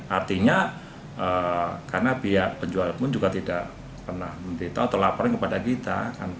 artinya karena pihak penjual pun juga tidak pernah memberitahu atau laporkan kepada kita